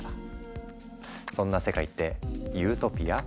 そんな世界ってユートピア？